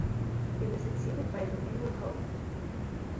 He was succeeded by Domingo Cullen.